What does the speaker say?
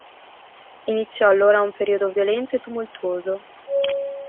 Iniziò allora un periodo violento e tumultuoso.